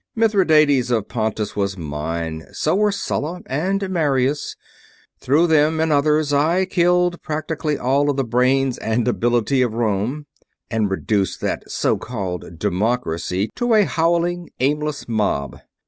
Mithradates of Pontus was mine. So were both Sulla and Marius. Through them and others I killed practically all of the brains and ability of Rome, and reduced that so called 'democracy' to a howling, aimless mob.